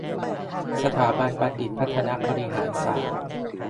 สถาบันบัณฑิตพัฒนบริหารศาสตร์